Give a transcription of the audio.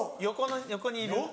横にいる。